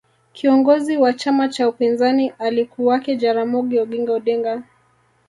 kiongozi wa chama cha upinzani alikuwake jaramogi oginga Odinga